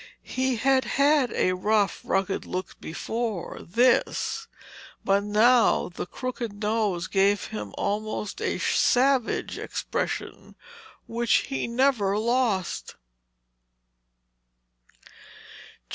He had had a rough, rugged look before this, but now the crooked nose gave him almost a savage expression which he never lost.